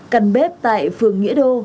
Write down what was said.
căn bếp tại phường nghĩa đô